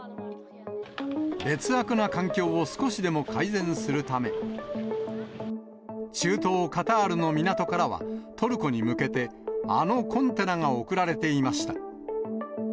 劣悪な環境を少しでも改善するため、中東カタールの港からは、トルコに向けてあのコンテナが送られていました。